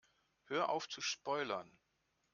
Hör auf zu spoilern!